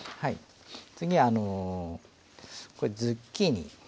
次はあのこれズッキーニ。